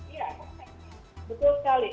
iya betul sekali